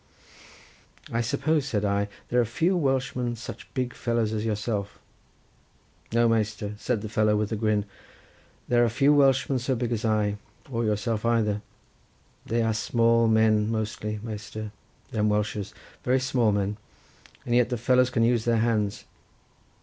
"I suppose," said I, "there are few Welshmen such big fellows as yourself." "No, Measter," said the fellow, with a grin, "there are few Welshmen so big as I, or yourself either, they are small men mostly, Measter, them Welshers, very small men—and yet the fellows can use their hands.